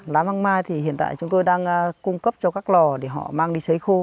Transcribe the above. lá măng mai thì hiện tại chúng tôi đang cung cấp cho các lò để họ mang đi xấy khô